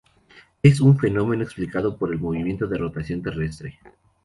Es un fenómeno explicado por el movimiento de rotación terrestre.